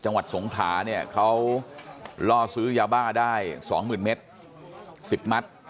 จังหวัดสงถาเขาล่อซื้อยาบ้าได้๒๐๐๐๐เม็ด๑๐มัตต์